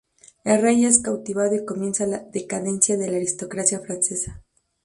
El rey es cautivado y comienza la decadencia de la aristocracia francesa.